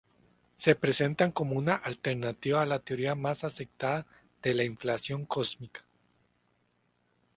Se presenta como una alternativa a la teoría más aceptada de la inflación cósmica.